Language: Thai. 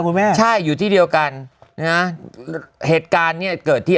คุณแม่ใช่อยู่ที่เดียวกันนะฮะเหตุการณ์เนี้ยเกิดที่